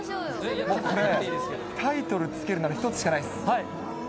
これ、タイトルつけるなら、一つしかないです。